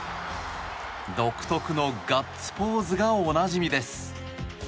独特のガッツポーズがおなじみです。